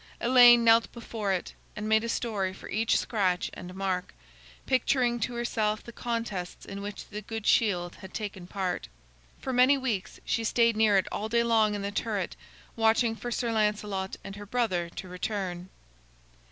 Elaine knelt before it, and made a story for each scratch and mark, picturing to herself the contests in which the good shield had taken part. For many weeks she stayed near it all day long in the turret, watching for Sir Lancelot and her brother to return.